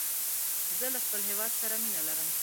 زه له خپل هېواد سره مینه لرم.